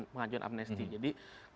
pengajuan amnesty jadi